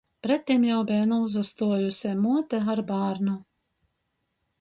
Pretim jau beja nūsastuojuse muote ar bārnu.